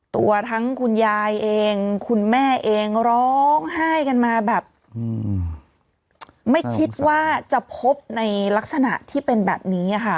ตัวทั้งคุณยายเองคุณแม่เองร้องไห้กันมาแบบไม่คิดว่าจะพบในลักษณะที่เป็นแบบนี้ค่ะ